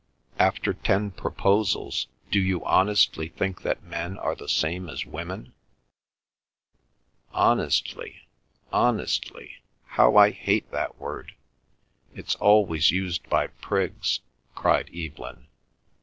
"After ten proposals do you honestly think that men are the same as women?" "Honestly, honestly,—how I hate that word! It's always used by prigs," cried Evelyn.